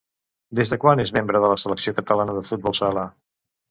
Des de quan és membre de la selecció catalana de futbol sala?